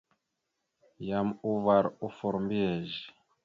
Yam uvar offor mbiyez.